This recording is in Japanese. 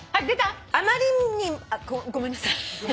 「あまりんに」ごめんなさい。